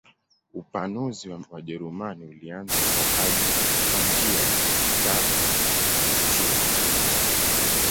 Upanuzi wa Wajerumani ulianza kwa njia ya mikataba na machifu mbalimbali.